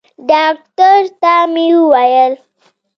ډاکتر ته مې وويل.